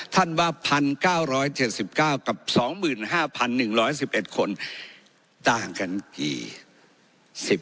ท่านว่า๑๙๗๙กับ๒๕๑๑๑คนต่างกันกี่